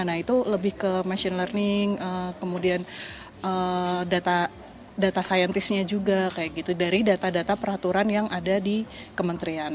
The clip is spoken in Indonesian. nah itu lebih ke machine learning kemudian data saintisnya juga kayak gitu dari data data peraturan yang ada di kementerian